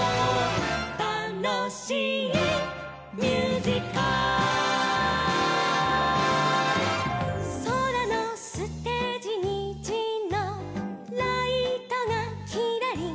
「たのしいミュージカル」「そらのステージにじのライトがきらりん」